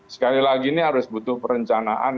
sekali lagi ini harus butuh perencanaan